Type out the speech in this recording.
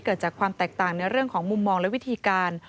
เกิดจากความแตกต่างในเรื่องของมุมมองและวิธีการ